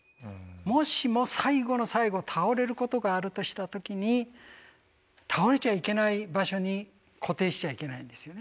もしも最後の最後倒れることがあるとした時に倒れちゃいけない場所に固定しちゃいけないんですよね。